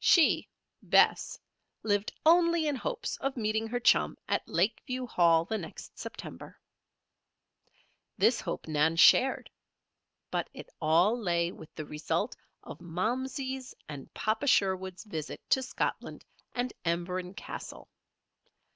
She, Bess, lived only in hopes of meeting her chum at Lakeview Hall the next September. This hope Nan shared. But it all lay with the result of Momsey's and Papa Sherwood's visit to Scotland and Emberon Castle.